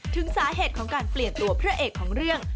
ถึงสาเหตุของการเปลี่ยนตัวพระเอกของเรื่อง